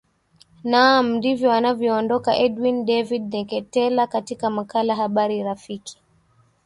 naam ndivyo anavyoondoka edwin david ndeketela katika makala habari rafiki